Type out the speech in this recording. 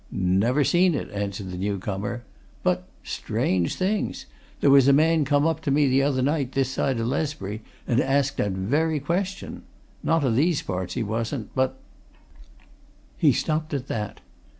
"Never seen it!" answered the new comer. "But strange things! there was a man come up to me the other night, this side o' Lesbury, and asked that very question not o' these parts, he wasn't. But " He stopped at that.